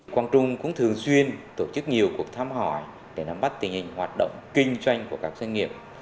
quang trung cũng thường xuyên tổ chức nhiều cuộc thăm hỏi để nắm bắt tình hình hoạt động kinh doanh của các doanh nghiệp